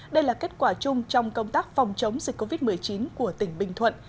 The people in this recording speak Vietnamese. đây là kết quả chung trong công tác phòng chống dịch covid một mươi chín của tỉnh bình thuận